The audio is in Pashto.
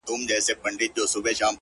ما ويل څه به مي احوال واخلي ـ